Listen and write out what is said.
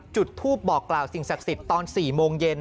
จุดทูปบอกกล่าวสิ่งศักดิ์สิทธิ์ตอน๔โมงเย็น